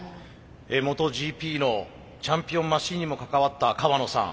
ＭｏｔｏＧＰのチャンピオンマシンにも関わった河野さん。